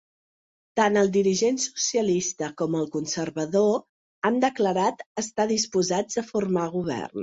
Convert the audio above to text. Tant el dirigent socialista com el conservador han declarat estar disposats a formar govern.